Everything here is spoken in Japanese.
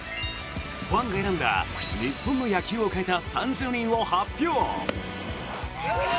ファンが選んだ日本の野球を変えた３０人を発表！